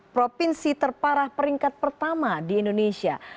provinsi terparah peringkat pertama di indonesia